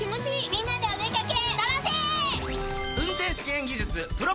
みんなでお出掛け。